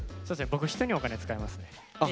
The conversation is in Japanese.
僕人にお金使いますね。